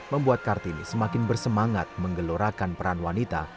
membuat kartini semakin bersemangat menggelorakan peran wanita